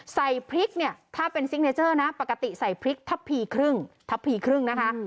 ใส่พริกเนี่ยถ้าเป็นซิกเนเจอร์นะปกติใส่พริกทัพพีครึ่งทัพพีครึ่งนะคะ